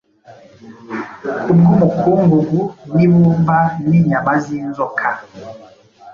Kubwumukungugu nibumba ninyama zinzoka,